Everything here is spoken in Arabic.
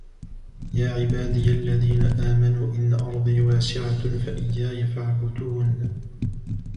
يَا عِبَادِيَ الَّذِينَ آمَنُوا إِنَّ أَرْضِي وَاسِعَةٌ فَإِيَّايَ فَاعْبُدُونِ